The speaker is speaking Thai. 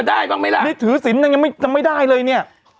ได้ปั๊บไม่ระได้ถือสินต่างยังไม่ทำยังไม่ได้เลยเนี่ย